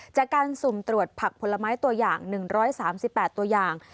จากการสุ่มตรวจผักผลไม้ตัวอย่าง๑๓๘ตัวอย่าง